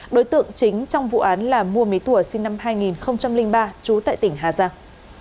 đối tượng chính trong vụ án là mua mỹ tùa sinh năm hai nghìn ba trú tại tỉnh hà giang